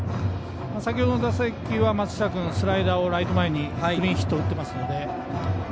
先ほどの打席は松下君スライダーをライト前にクリーンヒットを打ってますので。